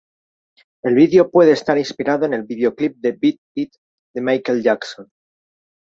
El video puede estar inspirado en el videoclip de Beat It de Michael Jackson.